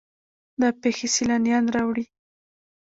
دا پیښې سیلانیان راوړي.